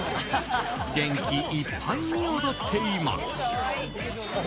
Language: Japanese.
元気いっぱいに踊っています。